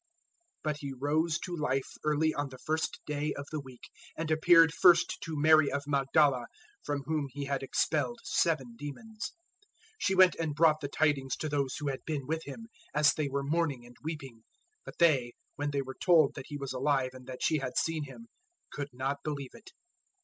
016:009 [But He rose to life early on the first day of the week, and appeared first to Mary of Magdala from whom He had expelled seven demons. 016:010 She went and brought the tidings to those who had been with Him, as they were mourning and weeping. 016:011 But they, when they were told that He was alive and that she had seen Him, could not believe it.